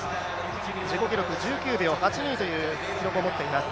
自己記録１９秒８２という記録を持っています。